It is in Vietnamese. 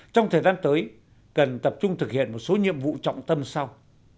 trong thời gian tới cần tập trung thực hiện một số nhiệm vụ trọng tâm sau